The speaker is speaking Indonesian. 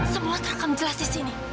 semua terekam jelas di sini